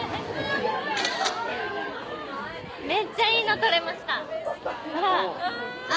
めっちゃいいの撮れましたほら。